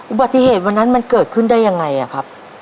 อุบัติเหตุวันนั้นมันเกิดขึ้นได้ยังไงครับ